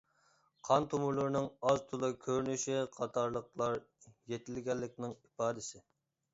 قان تومۇرلىرىنىڭ ئاز-تولا كۆرۈنۈشى قاتارلىقلار يېتىلگەنلىكنىڭ ئىپادىسى.